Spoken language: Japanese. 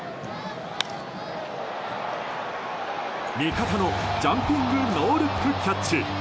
味方のジャンピングノールックキャッチ。